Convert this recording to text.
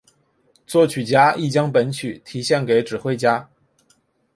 作曲家亦将本曲题献给指挥家。